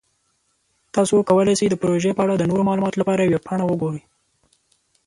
تاسو کولی شئ د پروژې په اړه د نورو معلوماتو لپاره ویب پاڼه وګورئ.